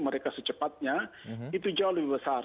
mereka secepatnya itu jauh lebih besar